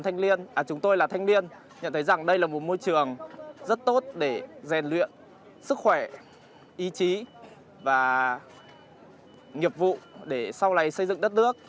thanh niên chúng tôi là thanh niên nhận thấy rằng đây là một môi trường rất tốt để rèn luyện sức khỏe ý chí và nghiệp vụ để sau này xây dựng đất nước